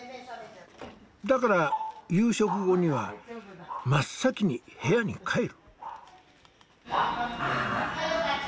だから夕食後には真っ先に部屋に帰る。